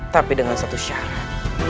tapi dengan satu syarat